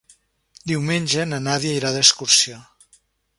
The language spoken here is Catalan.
Diumenge na Nàdia irà d'excursió.